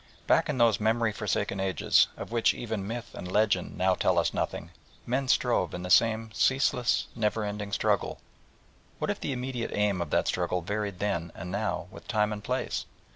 Back in those memory forsaken ages, of which even myth and legend now tell us nothing, men strove in the same ceaseless, never ending struggle. What if the immediate aim of that struggle varied then and now with time and place?